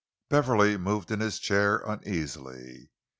Beverley moved in his chair uneasily.